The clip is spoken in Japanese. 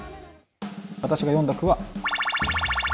私が詠んだ句は。